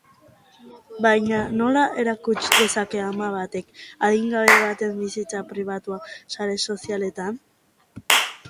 Baina nola erakuts dezake ama batek adingabe baten bizitza pribatua sare sozialetan?